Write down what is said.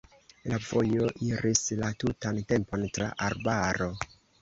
La vojo iris la tutan tempon tra arbaro.